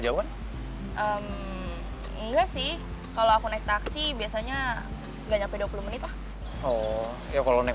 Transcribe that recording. jauh enggak sih kalau aku naik taksi biasanya enggak nyampe dua puluh menit lah ya kalau naik